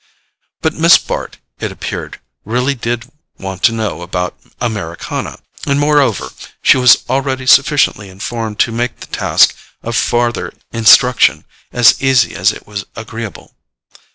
But Miss Bart, it appeared, really did want to know about Americana; and moreover, she was already sufficiently informed to make the task of farther instruction as easy as it was agreeable.